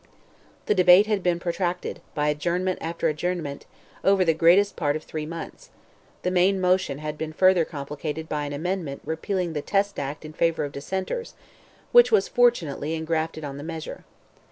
The debate had been protracted, by adjournment after adjournment, over the greatest part of three months; the main motion had been further complicated by an amendment repealing the Test Act in favour of Dissenters, which was, fortunately, engrafted on the measure.